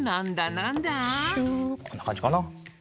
こんなかんじかな。